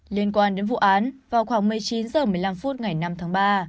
liên quan đến vụ án vào khoảng một mươi chín h một mươi năm phút ngày năm tháng ba